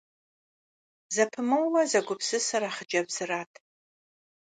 Зэпымыууэ зэгупсысыр а хъыджэбзырат.